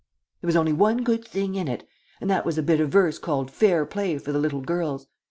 There was only one good thing in it, and that was a bit of verse called 'Fair Play for the Little Girls.'